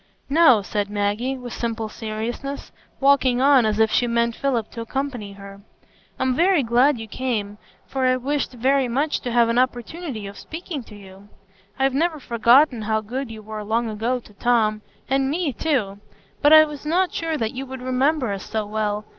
"No," said Maggie, with simple seriousness, walking on as if she meant Philip to accompany her, "I'm very glad you came, for I wished very much to have an opportunity of speaking to you. I've never forgotten how good you were long ago to Tom, and me too; but I was not sure that you would remember us so well.